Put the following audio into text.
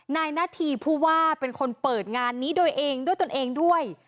นายนาธีผู้ว่าเป็นคนเปิดงานนี้ตัวเองด้วยตนเองด้วย